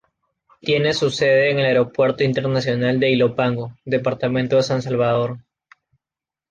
Tiene su sede en el Aeropuerto Internacional de Ilopango, Departamento de San Salvador.